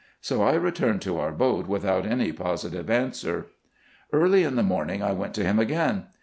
So I returned to our boat without any positive answer. Early in the morning I went to him again.